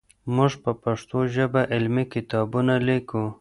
موږ په پښتو ژبه علمي کتابونه لیکو.